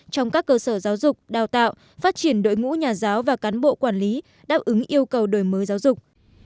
trong các cơ sở giáo dục đào tạo phát triển đội ngũ nhà giáo và cán bộ quản lý đáp ứng yêu cầu đổi mới giáo dục